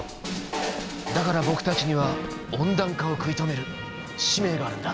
だから僕たちには温暖化を食い止める使命があるんだ。